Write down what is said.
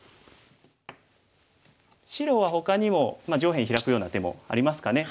白はほかにも上辺ヒラくような手もありますかね。